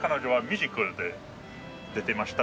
出てました。